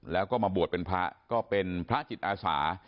แล้วก็มาบวชเป็นพระก็เป็นพระจิตอาสา